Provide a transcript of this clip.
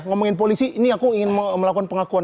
ngomongin polisi ini aku ingin melakukan pengakuan